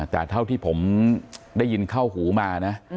แต่เท่าที่ผมได้ยินเข้าหูมานะ